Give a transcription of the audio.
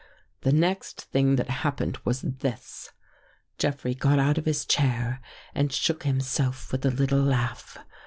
The next thing that happened was this :" Jeffrey got out of his chair and shook himself with a little laugh.